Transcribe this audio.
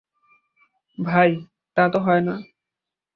ভাই, তা তো হয় না।